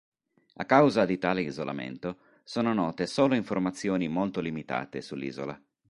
A causa di tale isolamento, sono note solo informazioni molto limitate sull'isola.